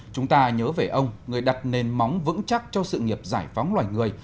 chúng ta nhớ về ông người đặt nền móng vững chắc cho sự nghiệp giải phóng loài người